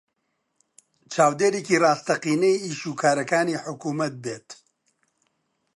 چاودێرێکی ڕاستەقینەی ئیشوکارەکانی حکوومەت بێت